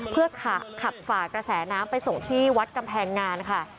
เพื่อขับฝ่ากระแสน้ำไปส่งที่วัดกำแพงงานค่ะ